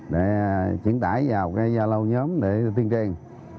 để chuyển tải vào gia lô nhóm để tiên triền